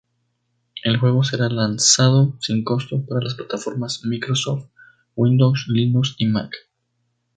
El juego será lanzado sin costo para las plataformas Microsoft Windows, Linux y Mac.